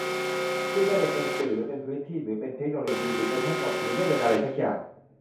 อินเทอร์เน็ตเป็นสื่อ หรือเป็นพื้นที่ หรือเป็นเทคโนโลยี หรือเป็นทั้งหมด หรือไม่เป็นอะไรสักอย่าง ?